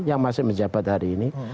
yang masih menjabat hari ini